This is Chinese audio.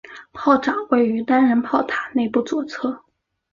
炮长位于单人炮塔内部左侧。